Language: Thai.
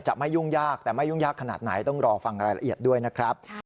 ไม่ยุ่งยากแต่ไม่ยุ่งยากขนาดไหนต้องรอฟังรายละเอียดด้วยนะครับ